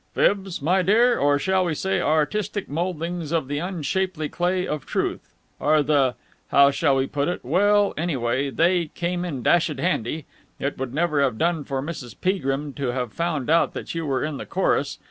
"Fibs, my dear or shall we say, artistic mouldings of the unshapely clay of truth are the ... how shall I put it?... Well, anyway, they come in dashed handy. It would never have done for Mrs. Peagrim to have found out that you were in the chorus.